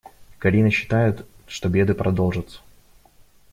Карина считает, что беды продолжатся.